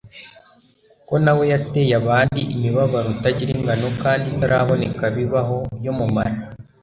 kuko na we yateye abandi imibabaro itagira ingano kandi itaraboneka bibaho, yo mu mara